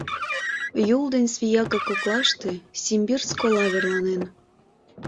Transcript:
Юл ден Свияга коклаште Симбирск ола верланен.